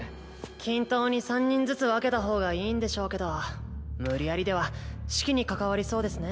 均等に３人ずつ分けたほうがいいんでしょうけど無理やりでは士気に関わりそうですね。